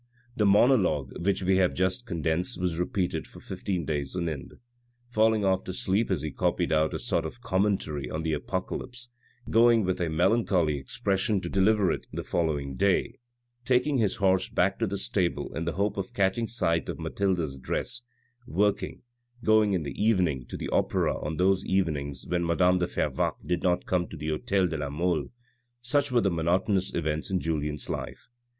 The monologue which we have just condensed was repeated for fifteen days on end. Falling off to sleep as he copied out a sort of commentary on the Apocalypse, going with a melancholy expression to deliver it the following day, taking his horse back to the stable in the hope of catching sight of Mathilde's dress, working, going in the evening to the opera on those evenings when madame de Fervaques did not come to the hdtel de la Mole, such were the monotonous events in Julien's life.